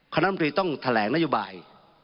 คณะน้ำตรีต้องแถลงนัยบาย